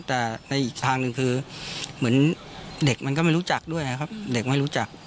แต่ในอีกทางหนึ่งคือเหมือนเด็กมันก็ไม่รู้จักด้วยครับเด็กไม่รู้จัก